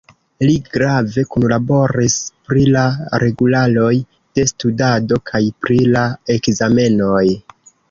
Li grave kunlaboris pri la regularoj de studado kaj pri la ekzamenoj.